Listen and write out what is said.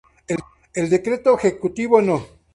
El Decreto Ejecutivo No.